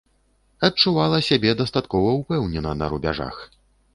Адчувала сябе дастаткова ўпэўнена на рубяжах.